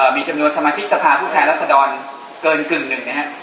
มีจำนวนสมาชิกสภาผู้แพร่รัฐสดรเกินกึ่งนึงนะครับ